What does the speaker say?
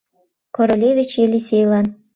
Королевич Елисейлан!